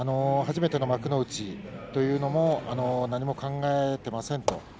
初めて幕内というのも何も考えてません。